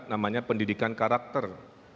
namanya pendidikan karakter